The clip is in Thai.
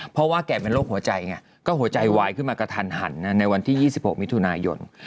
เพราะว่าแกเป็นโรคหัวใจไงก็หัวใจวายขึ้นมากระทันหันในวันที่๒๖มิถุนายน